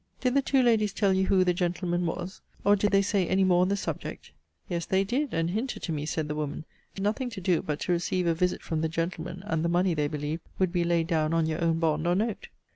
Did the two ladies tell you who the gentleman was? Or, did they say any more on the subject? Yes, they did! and hinted to me, said the woman, that you had nothing to do but to receive a visit from the gentleman, and the money, they believed, would be laid down on your own bond or note.